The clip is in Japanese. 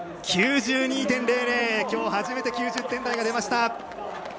きょう初めて９０点台が出ました。